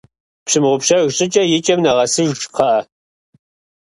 Пщымыгъупщэж щӀыкӀэ, и кӀэм нэгъэсыж, кхъыӀэ.